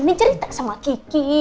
ini cerita sama kiki